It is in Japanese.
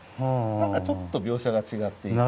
何かちょっと描写が違っていて。